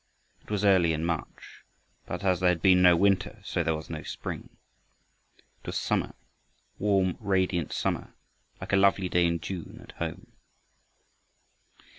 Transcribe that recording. It was early in March, but as there had been no winter, so there was no spring. It was summer, warm, radiant summer, like a lovely day in June at home.